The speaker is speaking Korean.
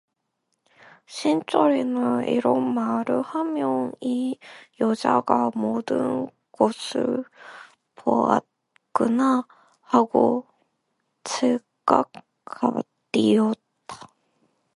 신철이는 이런 말을 하며 이 여자가 모든 것을 보았구나 하고 직각되었다.